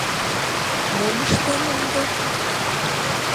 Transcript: Мом ыштем ынде?